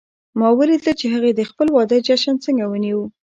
ما ولیدل چې هغې د خپل واده جشن څنګه ونیو